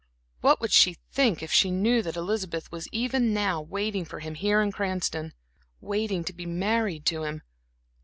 What would she think if she knew that Elizabeth was even now waiting for him here in Cranston waiting to be married to him?